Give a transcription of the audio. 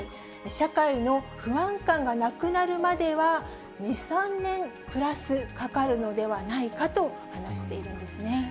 社会の不安感がなくなるまでは２、３年プラスかかるのではないかと話しているんですね。